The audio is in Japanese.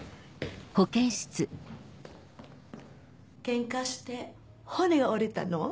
ケンカして骨が折れたの？